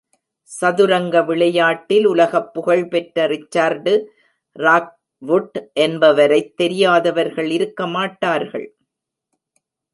சதுரங்க விளையாட்டில், உலகப் புகழ் பெற்ற ரிச்சர்டு ராக்வுட் என்பவரைத் தெரியாதவர்கள் இருக்கமாட்டார்கள்.